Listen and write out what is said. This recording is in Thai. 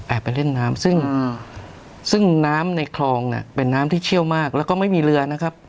ไปเล่นน้ำซึ่งซึ่งน้ำในคลองเนี่ยเป็นน้ำที่เชี่ยวมากแล้วก็ไม่มีเรือนะครับ